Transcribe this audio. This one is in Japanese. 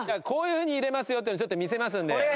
こういうふうに入れますよっていうのをちょっと見せますんで。